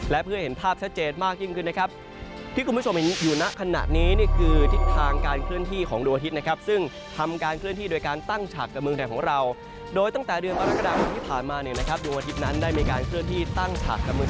และเพื่อให้เห็นภาพชัดเจนมากยิ่งขึ้นนะครับ